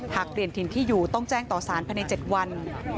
หากแด่นทินที่อยู่ต้องแจ้งต่อสารใน๗วัน